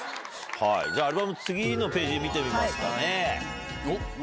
アルバム次のページ見てみますかね。